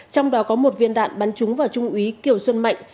trong đó có một viên đạn bắn trúng vào trung úy kiều xuân mạnh